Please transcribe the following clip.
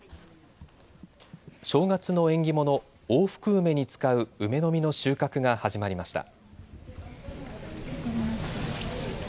正月の縁起物、大福梅に使う梅の実の収穫が始まりました。